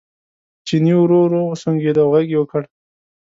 چیني ورو ورو وسونګېد او غږ یې وکړ.